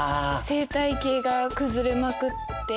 生態系が崩れまくって。